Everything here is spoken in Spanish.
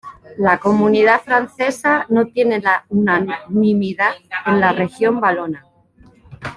La Comunidad Francesa no tiene la unanimidad en la Región Valona.